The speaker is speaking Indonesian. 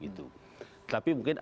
tapi mungkin ada